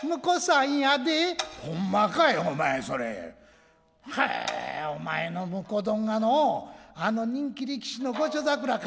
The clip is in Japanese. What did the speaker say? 「ほんまかいお前それへーお前の婿どんがのうあの人気力士の御所桜か。